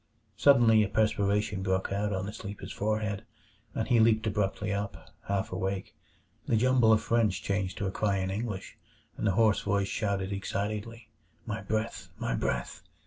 Suddenly a perspiration broke out on the sleeper's forehead, and he leaped abruptly up, half awake. The jumble of French changed to a cry in English, and the hoarse voice shouted excitedly, "My breath, my breath!"